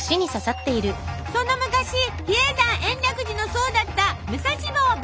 その昔比叡山延暦寺の僧だった武蔵坊弁慶。